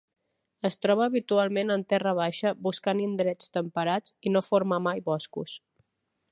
Es troba habitualment en terra baixa buscant indrets temperats i no forma mai boscos.